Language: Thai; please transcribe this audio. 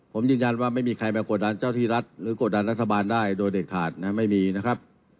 ผมยืนยันว่าไม่มีใครมากดดันเจ้าที่รัฐหรือกดดันรัฐบาลได้โดยเด็ดขาดนะไม่มีนะครับ